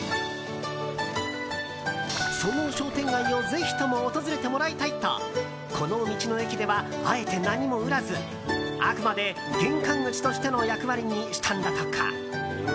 その商店街をぜひとも訪れてもらいたいとこの道の駅ではあえて何も売らずあくまで玄関口としての役割にしたんだとか。